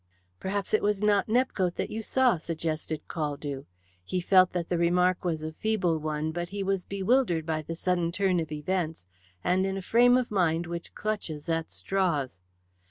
"Perhaps it was not Nepcote that you saw?" suggested Caldew. He felt that the remark was a feeble one, but he was bewildered by the sudden turn of events, and in a frame of mind which clutches at straws.